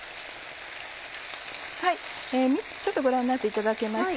ちょっとご覧になっていただけますか。